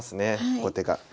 後手が。